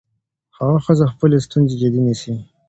هغه ښځه خپلې ستونزې جدي نيسي.